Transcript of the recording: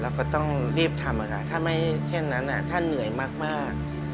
ก็ต้องรีบทำถ้าไม่เช่นนั้นถ้าเหนื่อยมาก